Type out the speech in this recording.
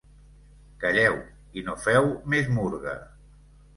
Calleu!, i no feu més murga.